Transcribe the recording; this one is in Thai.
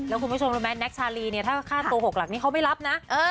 แล้วคุณผู้ชมรู้ไหมแน็กชาลีเนี่ยถ้าค่าตัว๖หลักนี้เขาไม่รับนะ